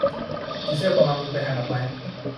ผีเสื้อกำลังบินไปหาดอกไม้